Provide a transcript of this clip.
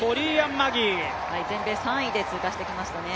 全米３位で通過してきましたね。